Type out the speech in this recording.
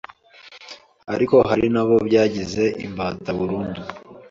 ariko hari n’abo byagize imbata burundu.